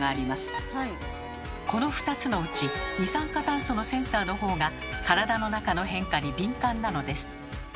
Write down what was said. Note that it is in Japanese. この２つのうち二酸化炭素のセンサーのほうが体の中の変化に敏感なのです。